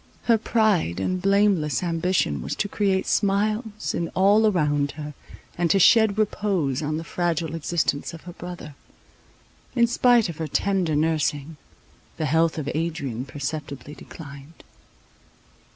Her pride and blameless ambition was to create smiles in all around her, and to shed repose on the fragile existence of her brother. In spite of her tender nursing, the health of Adrian perceptibly declined.